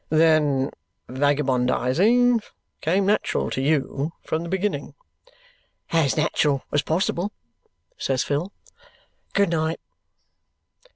"Then vagabondizing came natural to YOU from the beginning." "As nat'ral as possible," says Phil. "Good night!"